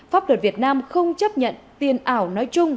pháp luật việt nam không chấp nhận tiền ảo nói chung